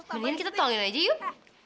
mendingan kita tuangin aja yuk